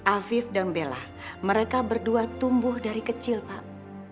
afif dan bella mereka berdua tumbuh dari kecil pak